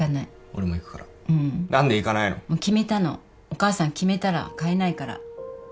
お母さん決めたら変えないから。